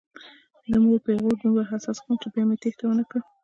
د مور پیغور دومره حساس کړم چې بیا مې تېښته ونه کړه.